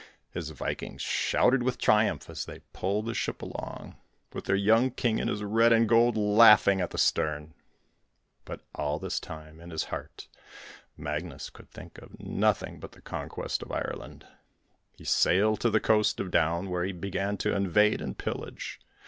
His vikings shouted with triumph as they pulled the ship along, with their young king in his red and gold laughing at the stern. But all this time, in his heart, Magnus could think of nothing but the conquest of Ireland. He sailed to the coast of Down, where he began to invade and pillage.